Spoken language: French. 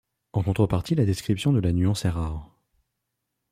En contrepartie, la description de la nuance est rare.